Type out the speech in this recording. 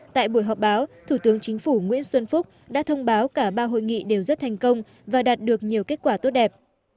tại buổi họp báo thủ tướng chính phủ nguyễn xuân phúc đã thông báo cả ba hội nghị đều rất thành công và đạt được nhiều kết quả tốt đẹp